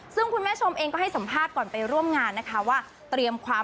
ซึ่งคุณแม่ชมเองก็ให้สัมภาพก่อนไปร่วมงานนะคะว่า